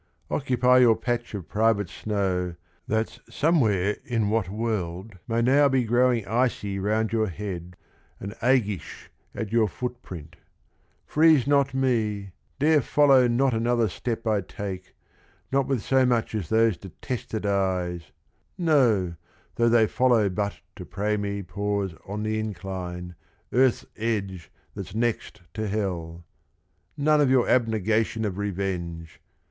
Occupy your patch Of private snow that 's somewhere in what world 188 THE RING AND THE BOOK May now be growing icy round your head, And aguish at your foot print, — freeze not me, Dare follow not another step I take, Not with so much as those detested eyes, No, though they follow but to pray me pause On the incline, earth's edge that 's next to hell 1 None of your abnegation of revenge